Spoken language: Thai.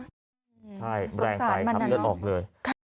ใช่แรงไปครับเลือดออกเลย